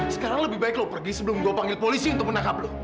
sekarang lebih baik lu pergi sebelum gua panggil polisi untuk menangkap lu